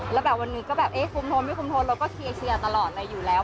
แล้วแบบวันนี้ก็แบบคุมโทนไม่คุมโทนเราก็เชียร์ตลอดเลยอยู่แล้ว